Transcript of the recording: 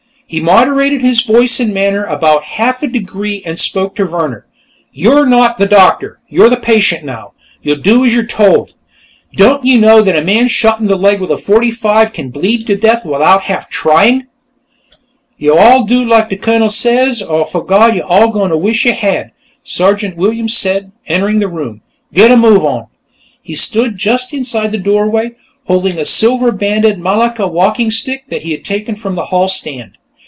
He moderated his voice and manner about half a degree and spoke to Vehrner. "You are not the doctor, you're the patient, now. You'll do as you're told. Don't you know that a man shot in the leg with a .45 can bleed to death without half trying?" "Yo' all do like de Cunnel says, 'r foh Gawd, yo' all gwine wish yo' had," Sergeant Williamson said, entering the room. "Git a move on." He stood just inside the doorway, holding a silver banded malacca walking stick that he had taken from the hall stand.